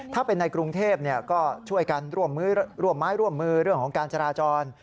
ถ้าเป็นในกรุงเทพก็ช่วยกันร่วมไม้ร่วมมือเรื่องของการจราจร